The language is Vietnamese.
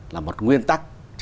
là một nguyên tắc